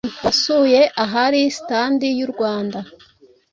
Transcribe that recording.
wasuye ahari standi y'u Rwanda